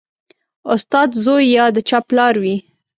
استاد زوی یا د چا پلار وي